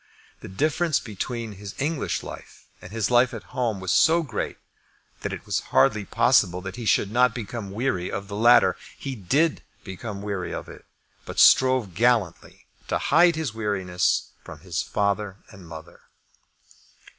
The difference between his English life and his life at home was so great, that it was hardly possible that he should not become weary of the latter. He did become weary of it, but strove gallantly to hide his weariness from his father and mother.